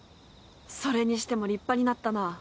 それにしても立派になったな。